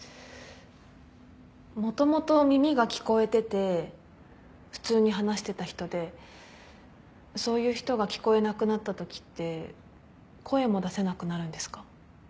もともと耳が聞こえてて普通に話してた人でそういう人が聞こえなくなったときって声も出せなくなるんですか？